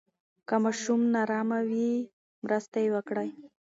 که ماشوم نا آرامه وي، مرسته یې وکړئ.